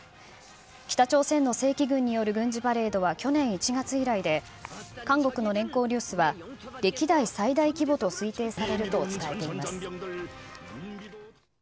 北朝鮮の正規軍による軍事パレードは去年１月以来で、韓国の聯合ニュースは、歴代最大規模と推定されると伝えています。